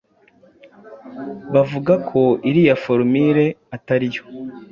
bavuga ko iriya formule atariyo